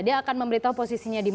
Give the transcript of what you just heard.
dia akan memberitahu posisinya di mana